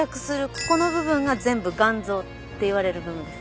ここの部分が全部がんぞうっていわれる部分です。